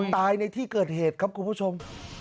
ในที่เกิดเหตุครับคุณผู้ชม